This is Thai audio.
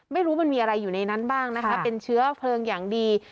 ไม่รู้มันมีอะไรอยู่ในนั้นบ้างนะคะเป็นเชื้อเพลิงอย่างดี